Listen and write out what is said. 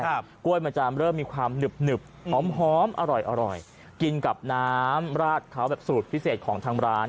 ครับกล้วยมจามเริ่มมีความหนึบหนึบหอมอร่อยกินกับน้ำราดเขาแบบสูตรพิเศษของทางร้าน